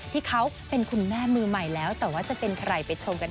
ที่เขาเป็นคุณแม่มือใหม่แล้วแต่ว่าจะเป็นใครไปชมกันค่ะ